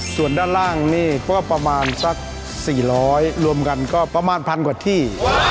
ส่วนด้านล่างนี่ก็ประมาณสัก๔๐๐รวมกันก็ประมาณพันกว่าที่